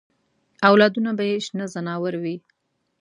اولادونه به یې شنه ځناور نه وي.